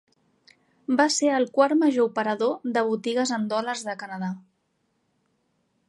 Va ser el quart major operador de botigues en dòlars de Canadà.